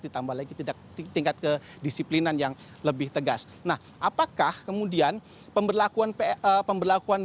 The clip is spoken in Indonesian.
ditambah lagi tidak tingkat kedisiplinan yang lebih tegas nah apakah kemudian pemberlakuan pemberlakuan